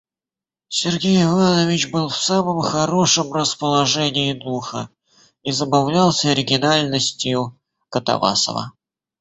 Сергей Иванович был в самом хорошем расположении духа и забавлялся оригинальностью Катавасова.